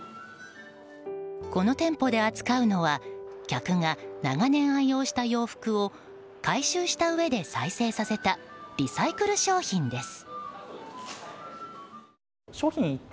この店舗で扱うのは客が長年愛用した洋服を回収したうえで再生させたリサイクル商品です。